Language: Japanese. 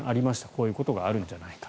こういうことがあるんじゃないか。